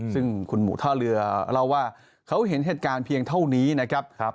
ซึ่งคุณหมู่ท่าเรือเล่าว่าเขาเห็นเหตุการณ์เพียงเท่านี้นะครับ